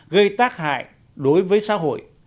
gây tác hại đối với xã hội